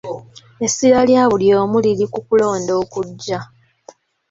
Essira lya buli omu liri ku kulonda okujja.